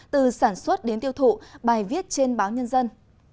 từ sản xuất đến tiêu thụ bài viết trên báo nhân dân